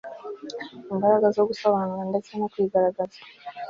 imbaraga zo gusobanura, ndetse no kwigaragaza